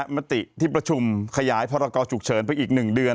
มติที่ประชุมขยายพรกรฉุกเฉินไปอีก๑เดือน